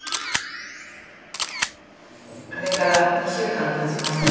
あれから２週間たちました。